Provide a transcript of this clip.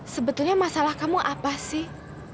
sebetulnya masalah kamu apa sih